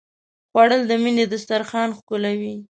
خوړل د مینې دسترخوان ښکلوي